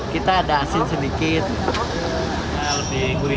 kita ada asin sedikit lebih gurih